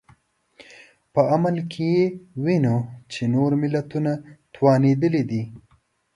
په عمل کې وینو چې نور ملتونه توانېدلي دي.